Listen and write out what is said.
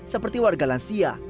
seperti warga lansia